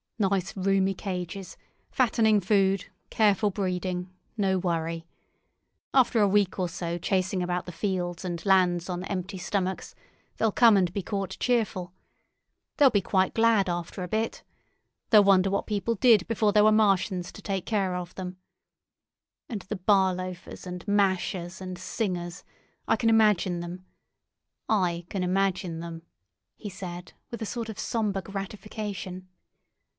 Nice roomy cages, fattening food, careful breeding, no worry. After a week or so chasing about the fields and lands on empty stomachs, they'll come and be caught cheerful. They'll be quite glad after a bit. They'll wonder what people did before there were Martians to take care of them. And the bar loafers, and mashers, and singers—I can imagine them. I can imagine them," he said, with a sort of sombre gratification.